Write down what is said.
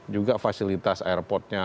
juga fasilitas airportnya